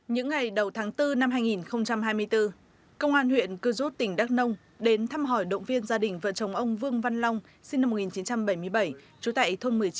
những ngày đầu tháng bốn năm hai nghìn hai mươi bốn công an huyện cư rút tỉnh đắk nông đến thăm hỏi động viên gia đình vợ chồng ông vương văn long sinh năm một nghìn chín trăm bảy mươi bảy